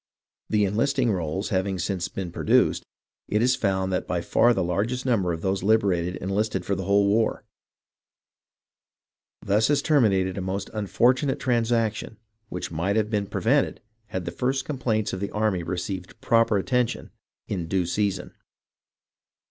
The enlisting rolls THE REVOLT OF THE SOLDIERS 313 having since been produced, it is found that by far the largest number of those liberated enlisted for the whole war. Thus has terminated a most unfortunate transaction which might have been prevented had the first complaints of the army received proper attention in due season.